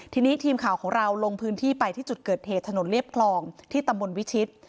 ทีนี้ทีมข่าวของเราลงพื้นที่ไปที่จุดเกิดเหตุถนนเรียบคลองที่ตำบลวิชิต